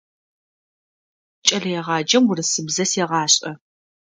Кӏэлэегъаджэм урысыбзэр сегъашӏэ.